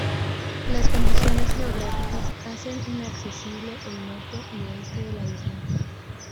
Las condiciones geográficas hacen inaccesibles el norte y oeste de la isla.